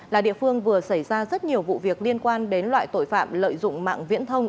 là địa phương vừa xảy ra rất nhiều vụ việc liên quan đến loại tội phạm lợi dụng mạng viễn thông